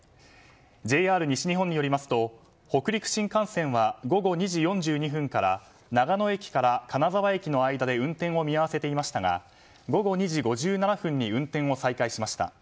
ＪＲ西日本によりますと北陸新幹線は午後２時４２分から長野駅から金沢駅の間で運転を見合わせていましたが午後２時５７分に運転を再開しました。